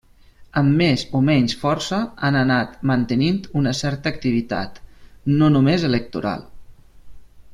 Amb més o menys força han anat mantenint una certa activitat, no només electoral.